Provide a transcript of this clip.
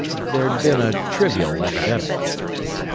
There'd been a trivial epidemic....